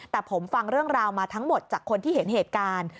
แต่ผมฟังเรื่องราวมาทั้งหมดจากคนที่เห็นเหตุการณ์